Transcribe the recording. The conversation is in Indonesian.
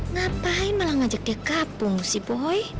ngapain malah ngajak dia gabung sih boy